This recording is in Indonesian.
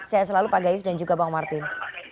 saya selalu pak gayus dan juga bang martin